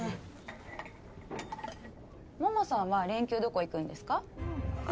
モモさんは連休どこ行くんですか？